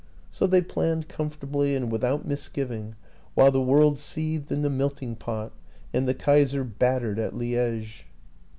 ... So they planned comfortably and without misgiving, while the world seethed in the melting pot and the Kaiser battered at Liege.